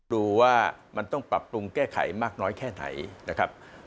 ดูว่ามันต้องปรับปรุงแก้ไขมากน้อยแค่ไหนนะครับ